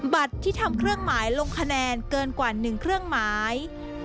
บัตรที่ทำเครื่องหมายลงคะแนนเกินกว่า๑เครื่องหมาย